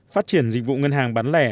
phát triển dịch vụ ngân hàng bán lẻ